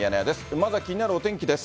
まずは気になるお天気です。